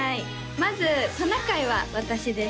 まずトナカイは私です